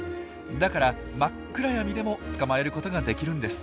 だから真っ暗闇でも捕まえることができるんです。